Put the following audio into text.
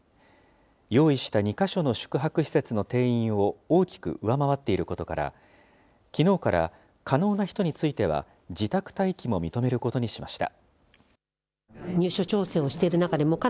用意した２か所の宿泊施設の定員を大きく上回っていることから、きのうから可能な人については、自宅待機も認めることにしました。